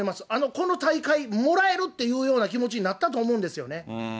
この大会もらえるっていうような気持ちになったと思うんですよね。